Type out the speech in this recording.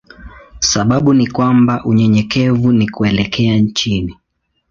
Sababu ni kwamba unyenyekevu ni kuelekea chini.